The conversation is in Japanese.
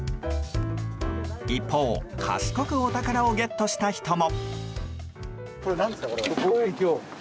一方、賢くお宝をゲットした人も。